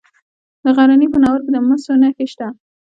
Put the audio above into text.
د غزني په ناور کې د مسو نښې شته.